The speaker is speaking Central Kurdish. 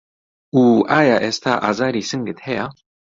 و ئایا ئێستا ئازاری سنگت هەیە؟